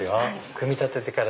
組み立ててから。